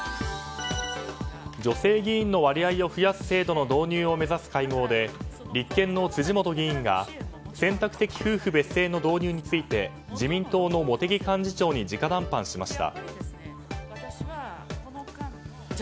女性議員の割合を増やす制度の導入を目指す会合で立憲の辻元議員が選択的夫婦別姓の導入について自民党の茂木幹事長に直談判しました。